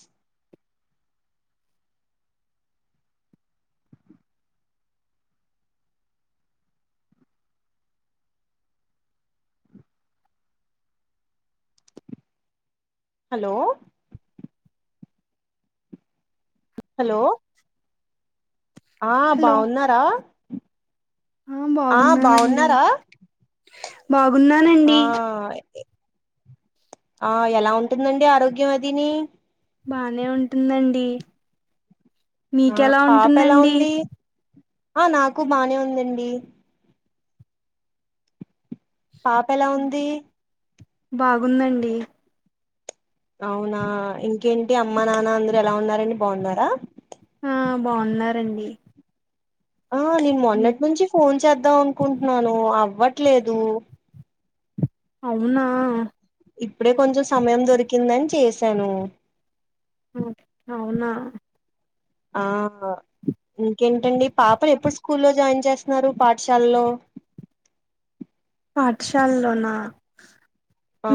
స్ hello hello ఆ hello బాగున్నారా ఆ బాగున్నానండి బాగ్ ఆ ఇ ఇ ఆ ఎలా ఉంటుందండి ఆరోగ్యం అదినీ బానే ఉంటుందండి ఆ మీకెలా పాప ఎలా ఉంటుందండి ఉంది ఆ నాకు బానే ఉందండి పాప ఎలా ఉంది బాగుందండి అవునా ఇంకేంటి అమ్మ నాన్న అందరూ ఎలా ఉన్నారండి బావున్నారా? ఆ బావున్నారండి ఆ నేను మొన్నట్నుంచీ ఫోన్ చేద్దాం అనుకుంటున్నాను అవ్వట్లేదు. అవునా ఇప్పుడే కొంచెం సమయం దొరికిందని చేసాను. మ్ అవునా ఆవును ఇంకేంటండి పాప ఎప్పుడు స్కూల్లో జాయిన్ చేస్తున్నారు పాఠశాలలో? పాఠశాలలోనా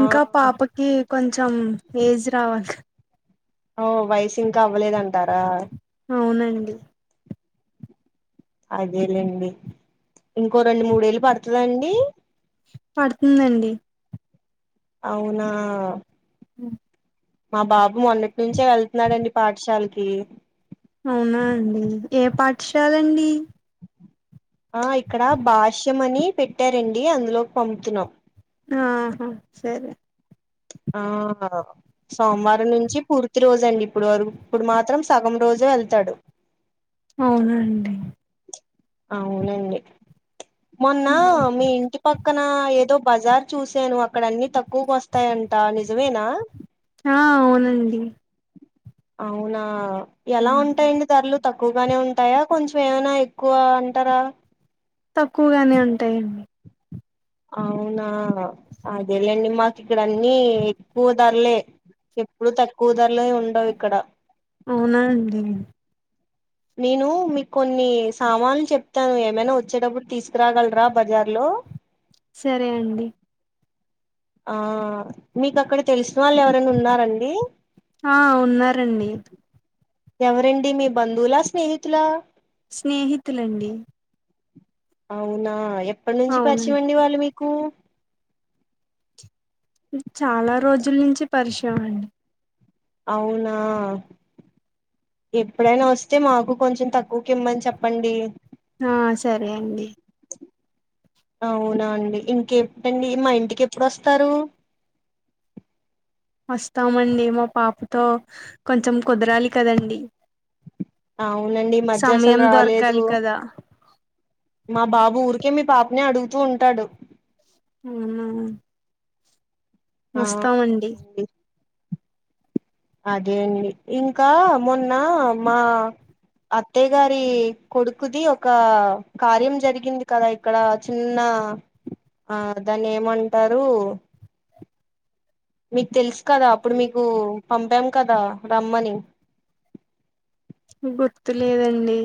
ఇంకా పాపకి కొంచెం ఏజ్ రావాలి క ఓ వయసు ఇంకా అవ్వలేదంటారా అవునండి అదేలేండి ఇంకో రెండు, మూడేళ్ళు పడుతదండి? పడుతుందండి అవునా ఉ మా బాబు మొన్నటి నుంచే వెళ్తున్నాడండి పాఠశాలకి అవునా అండి ఏ పాఠశాలండి? ఆ ఇక్కడ భాష్యం అని పెట్టారండి అందులోకి పంపుతున్నాం. ఆహా సరే ఆహ్హ్ సోమవారం నుంచి పూర్తి రోజు అండి ఇప్పుడు వర ఇప్పుడు మాత్రం సగం రోజు వెళ్తాడు అవునండి అవునండి మొన్న మీ ఇంటి పక్కన ఏదో బజార్ చూసాను అక్కడ అన్ని తక్కువకు వస్తాయంట నిజమేనా ఆ అవునండి అవునా ఎలా ఉంటాయండి ధరలు తక్కువగానే ఉంటాయా కొంచెం ఏమనా ఎక్కువ అంటారా తక్కువగానే ఉంటాయండి అవునా అదే లేండి మన్ ఇక్కడ అన్నీ ఎక్కువ ధరలే ఎప్పుడు తక్కువ ధరలే ఉండవు ఇక్కడ అవునా అండి నేను మీకు కొన్ని సామాన్లు చెప్తాను ఏమైనా వచ్చేటప్పుడు తీసుకురాగలరా బజార్ లో? ఓ సరే అండి ఆ మీకు అక్కడ తెలిసిన వాళ్ళు ఎవరైనా ఉన్నారండి? ఆ ఉన్నారండి ఎవరండి మీ బంధువులా, స్నేహితులా? స్నేహితులండి అవునా ఎప్పటి నుంచి అవునండి పరిచియం అండి వాళ్ళు మీకు? చాలా రోజుల నుంచి పరిచయం అండి అవునా ఎప్పుడైనా వస్తే మాకు కొంచెం తక్కువకి ఇమ్మని చెప్పండి. ఆ సరే అండి అవునా అండి ఇంకేటండి మా ఇంటికి ఎప్పుడు వస్తారు? వస్తామండి మా పాపతో కొంచెం కుదరాలి కదండి అవునండి ఈ మధ్య అసలు సమయం రాలేదు దొరకాలి కదా మా బాబు ఊరికే మీ పాపనే అడుగుతూ ఉంటాడు అవునా ఆ వస్తామండి అవునండి అదే అండి ఇంకా మొన్న మా అత్తయ్య గారి కొడుకుది ఒక కార్యం జరిగింది కదా ఇక్కడ చిన్న ఆ ఆ దాని ఏమంటారు మీకు తెలుసు కదా అప్పుడు మీకు పంపాం కదా రమ్మని గుర్తులేదండి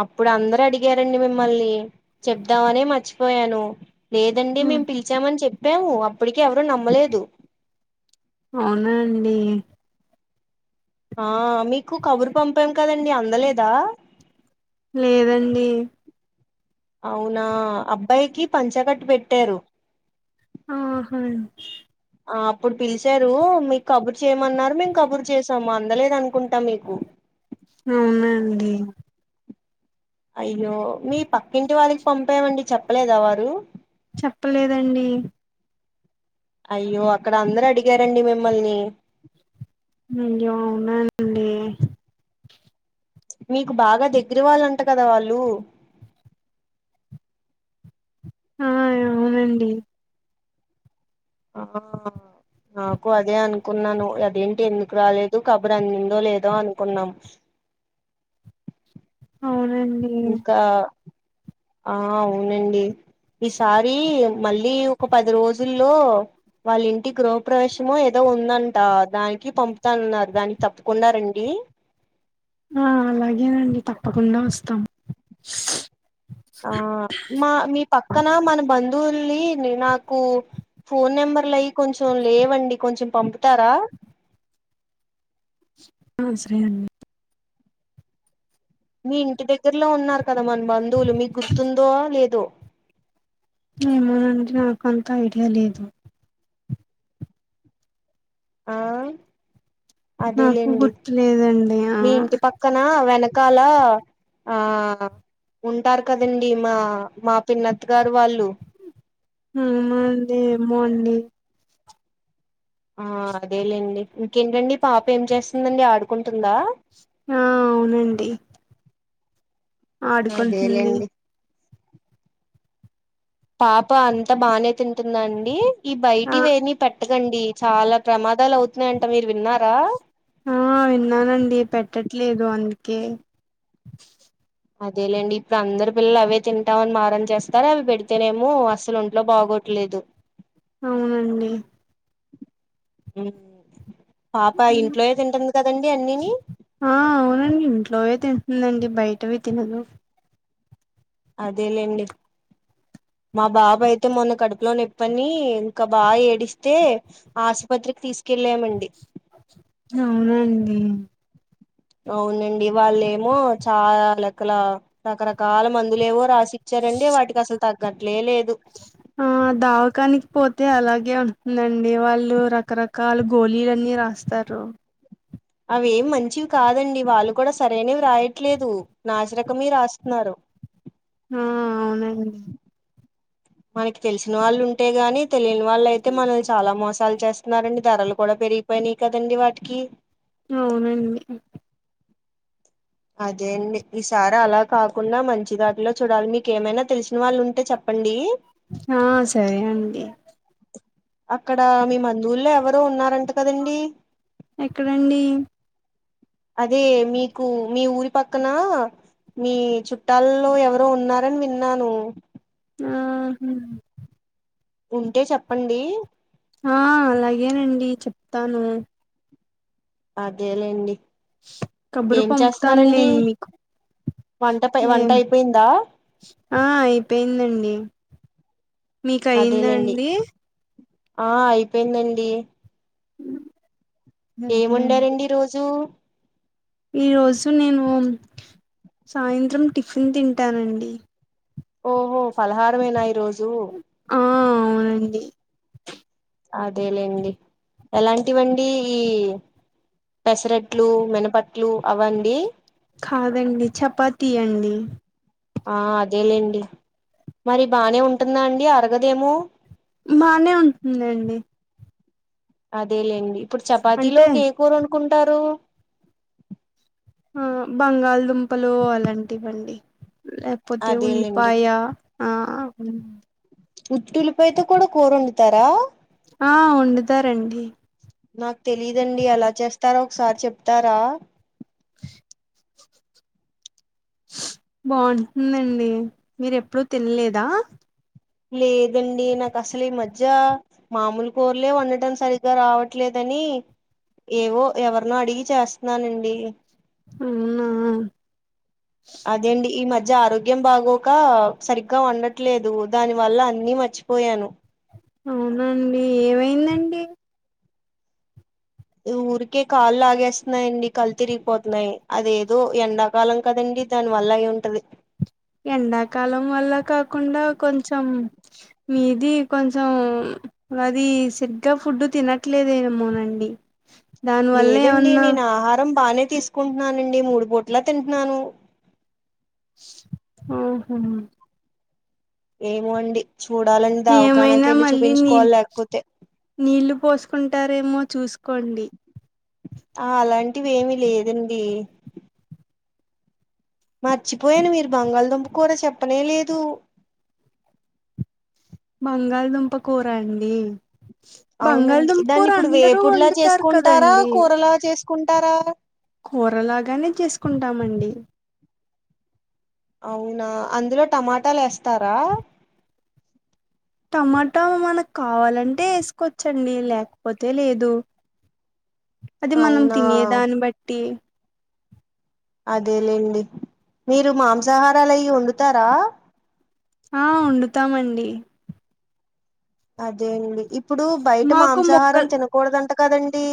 అప్పుడు అందరు అడిగారండి మిమ్మల్ని చెప్దామని మర్చిపోయాను లేదండి ఆ! మేము పిలిచామని చెప్పాము అప్పటికి ఎవరు నమ్మలేదు అవునా అండి ఆ మీకు కబురు పంపాం కదండి అందలేదా లేదండి అవునా అబ్బాయికి పంచగట్టు పెట్టారు ఆహా ఆ అప్పుడు పిలిచారు మీకు కబుర్ చేయమన్నారు మేము కబురు చేసాము అందలేదన్ కుంటా మీకు హ్మ్ అయ్యో మీ పక్కింటి వాళ్ళకి పంపమండి చెప్పలేదా వారు మ్ అయ్యో అక్కడ అందరు అడిగారండి మిమ్మల్ని అయ్యో అవునానండి మీకు బాగా దగ్గర వాళ్ళంట కదా వాళ్ళు ఆ అవునండి ఆ నాకు అదే అనుకున్నాను అదేంటి ఎందుకు రాలేదు కబర్ అందిందో లేదో అనుకున్నా అవున్ ఇంకా ఆ అవునండి ఈసారి మళ్ళీ ఒక పది రోజుల్లో వాళ్ళ ఇంటి గృహప్రవేశముో ఏదో ఉందంట దానికి పంపుతానన్నారు దానికి తప్పకుడా రండి ఆ అలాగేనండి తప్పకుండా వస్తాం ఆ మా మీ పక్కన మన బంధువుల్ని నాకు ఫోన్ నెంబర్లు అయి కొంచెం లేవండి కొంచెం పంపుతారా హ్మ్ సరే అండి మీ ఇంటి దగ్గరలో ఉన్నారు కదా మన బంధువులు మీ గుర్తుందో లేదో ఏమోనండి నాకంత ఐడియా లేదు ఆ అదే నాకు లేండి గుర్తులేదండి ఆ మీ ఇంటి పక్కన వెనక కాల ఆ ఉంటారు కదండీ మా మా పిన్నత్ గారు వాళ్ళు నేను ఏమో అండి ఆ అదేలేండి ఇంకేంటండి పాప ఏం చేస్తుందండి ఆడుకుంటుందా ఆ అవునండి ఆడుకుంటుంది అదేలేండి పాప అంతా బానే తిన్ టుందా అండి ఈ ఆ బయటి వేమి పట్టి గండి చాలా ప్రమాదాలు అవుతున్నాయంట మీరు విన్నారా ఆ విన్నానండి పెట్టట్లేదు అందుకే అదేలేండి ఇప్పుడు అందరు పిల్లలు అవే తింటాం అని మారం చేస్తారు అవి పెడితేనేమో అసలు ఒంట్లో బాగో లేదు అవునండి పాప హ్మ్. ఇంట్లోయే తింటుంది కదండి అన్నిని ఆ అవునండి ఇంట్లోవే తింటుందండి బయటవి తినదు అదే లేండి మా బాబాయితే మొన్న కడుపులోనొప్పని ఇంకా బా ఏడిస్తే ఆసుపత్రికి తీసుకె కెల్లమండి అవునండి అవునండి వాళ్ళేమో చాలా లకల రకరకాల మందులు ఏమో రాసి ఇచ్చారండి వాటికి అసలు తగ్గట్లే లేదు ఆ దావకాని పోతే అలాగే అవుతుదండి వాళ్ళు రకరకాల గోలీలన్నీ రాస్తారు అవేమి మంచివి కాదండి వాళ్ళు కూడా సరైనవి రాయట్లేదు నాసిరకమే రాస్తున్నారు ఉ మనకి తెలిసిన వాళ్ళు ఉంటే గానీ తెలియని వాళ్ళు అయితే మనల్ని చాలా మోసాలు చేస్తున్నారండి ధరలు కూడా పె ఇరిగిపోయినాయి కదండి వాట్కి అవునండి అదే అండి ఈసారి అలా కాకుండా మంచి దాటిలో చూడాలి మీకేమైనా తెలిసిన వాళ్ళు ఉంటే చెప్ ప్పండి ఆ సరే అండి అక్కడ మీ మందువుల్లో ఎవరో ఉన్నారంట కదండి ఎక్కడండి అదే మీకు మీ ఊరి పక్కన మీ చుట్టాలల్లో ఎవరో ఉన్నారని విన్నాను ఆ హు ఉంటే చెప్పండి ఆ అలాగేనండి చెప్తాను అదేలేండి కబురు ఏం చేస్తున్నారండి పంపుతానులేండి మీకు వంట ప ఏ వంట అయిపోయిందా ఆ అయిపోయిందండి మీకు అదేలేండి అయ్యిందండి ఆ అయిపోయిందండి ఉ ఏముండారండి ఈ రోజు ఈరోజు నేను సాయంత్రం టిఫిన్ తింటానండి ఓహో ఫలహారమేనా ఈ రోజు ఆ అవునండి అదే లేండి ఎలాంటివండి ఈ పెసరట్లు మినపట్లు అవండి కాదండి చపాతీ అండి ఆ అదే లేండి మరి బానే ఉంటుందా అండి అరగదేమో బానే ఉంటుందండి అదేలేండి ఇప్పుడు చపాతిలో అంటే కేకూర ఒండుకుంటారు ఆ బంగాళదుంపలు అలాంటివండి లేకపోతే అదేలేండి ఉల్లిపాయల ఆ ఉట్టి ఉల్లిపైతో కూడా కూర వండుతారా ఆ వండుతారండి నాకు తెలిదండి ఎలా చేస్తారో ఒకసారి చెప్తారా [inaudible] బాగుంటుందండి మీరు ఎప్పుడూ తినలేదా లేదండి నాకు అసలు ఈ మధ్య మామూలు కూరలే వండటం సరిగ్గా రావట్లేదు అని ఏవో ఎవరినో అడిగి చేస్తన్నానండి అవునా అదేండి ఈ మధ్ మధ్య ఆరోగ్యం బాగోక సరిగ్గా వండట్లేదు దాని వల్ల అన్ని మర్చిపోయాను. అవున అండి ఏమైందండి ఊరికే కాళ్లు లాగేస్తున్నాయిండి కళ్ళు తిరిగిపోతున్నాయి అదేదో ఎండాకాలం కదన్ దాని వల్ల అయ్యింటది ఎండాకాలం వల్ల కాకుండా కొంచెం మీది కొంచెం అది సరిగ్గా ఫుడ్ తినట్లేదేమోనండి దాని వల్ల లేదండి ఏమన్నా నేను ఆహారం బానే తీసుకుంటున్నానండి మూడు పూట్లా తింటన్నాను ఆహా ఏమో అండి చూడాలండి దవకానా ఏమైనా కెళ్ళి మళ్ళీ నీళ్ చూపించుకోవాలి లేకపోతే నీళ్లు పోసుకుంటారేమో చూసుకోండి ఆ అలాంటివి ఏమి లేదండి మర్చిపోయాను మీరు బంగాళదుంప కూర చెప్పనే లేదు బంగాళదుంపకూర అండి అవునండి బంగాళదుంప దాన్ని కూర ఇప్పుడు అందరూ వేపుడుల వండుతారు చేసుకుంటారా కదండి కూరలా చేసుకుంటారా కూరలాగానే చేసుకుంటామండి అవునా అందులో టమాటాలు ఏస్తారా టమాటా మనకు కావాలంటే ఏసుకోవచ్చండి లేకపోతే లేదు [inaudible] అది మనం అవునా తినేదాన్ని బట్టి అదేలేండి మీరు మాంసాహారాలు అయి వండుతారా ఆ వండుతామండి అదే అండి ఇప్పుడు బయట మాకు మాంసాహారం మొక్క తినకూడదంట కదండి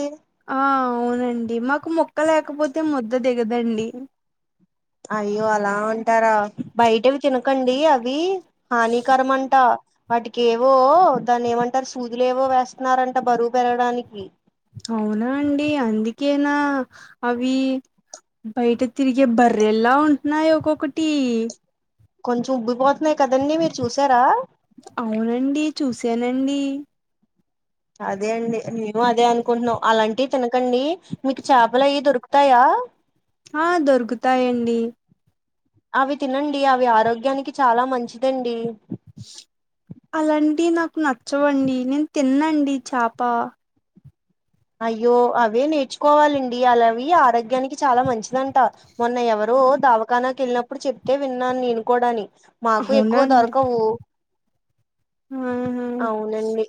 ఆ అవునండి మాకు ముక్క లేకపోతే ముద్ద దిగదండి అయ్యో అలా అంటారా బయటవి తినకండి అవి హానికరము అంట వాటికి ఏవో దాన్ని ఏమంటారు సూదులు ఏవో వేస్తన్నారంట బరువు పెరగడానికి అవునా అండి అందుకేనా అవి బయట తిరిగే బర్రెలా ఉంటున్నాయి ఒక్కోటి కొంచెం ఉబ్బిపోతున్నాయి కదండి మీరు చూసారా అవునండి చూసానండి అదే అండి నేను అదే అనుకుంటున్నాం అలాంటివి తినకండి మీకు చేపల అవి దొరుకు త్తయా ఆ దొరుకుతాయండి అవి తినండి అవి ఆరోగ్యానికి చాలా మంచిదండి అలాంటి నాకు నచ్చవండి నేను తిన్నండి చేప అయ్యో అవే నేర్చుకోవాలండి అలావి ఆరోగ్యానికి చాలా మంచిదంటే మొన్న ఎవరు దావఖానాకి వెళ్ళినప్పుడు చెప్తే విన్నాను నేను కూడా అని మాకు ఎక్కువ దొరకవు ఆహ అవునండి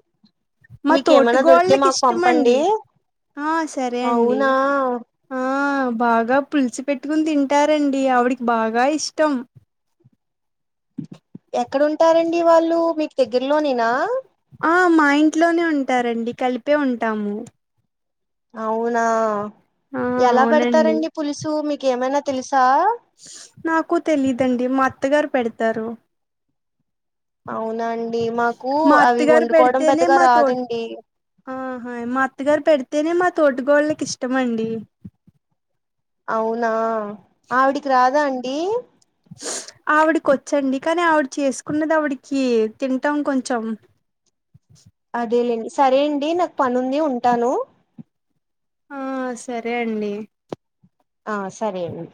మా తోటి మీకేమైనా దొరికితే కోడలికి మాకు ఇష్టమ అండి పంపండి ఆ సరే అండి అవునా ఆ ఆ బాగా పుల్చి పెట్టుకుని తింటారండి ఆవిడికి బాగా ఇష్టం ఎక్కడంటారండి వాళ్ళు మీకు దగ్గరలోనేనా మా ఇంట్లోనే ఉంటారండి కలిపే ఉంటాము అవునా ఆ ఎలా అవునండి పెడతారండి పులుసు మీకేమైనా తెలుసా నాకు తెలిదండి మా అత్తగారు పెడతారు అవునాండి మాకు మా అవి అత్తగారు వండుకోవడం పెడితేనే పెద్దగా మా తో రాదండి ఆహా మా అత్తగారు పెడితేనే మా తోటీకోడలకి ఇష్టమ అండి అవునా ఆవిడికి రాదా అండి ఆవిడికి వచ్చండి కానీ ఆవిడ చేసుకున్నది ఆవిడికి తింటాం కొంచెం అదేలేండి సరే అండి నాకు పని ఉంది ఉంటాను ఆ సరే అండి ఆ సరే అండి